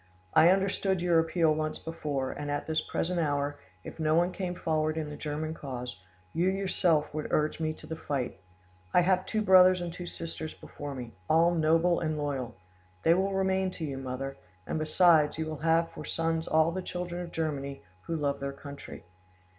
I understood your appeal once before, and at this present hour, if no one came forward in the German cause, you yourself would urge me to the fight. I have two brothers and two sisters before me, all noble and loyal. They will remain to you, mother; and besides you will have for sons all the children of Germany who love their country.